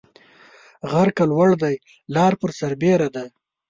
غر که لوړ دى ، لار پر سر بيره ده.